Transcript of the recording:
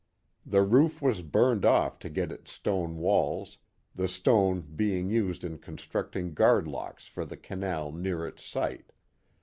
The roof was burned off to get its stone walls, the stone being used in constructing guard locks for the canal near its site.